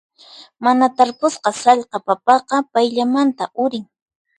Mana tarpusqa sallqa papaqa payllamanta urin.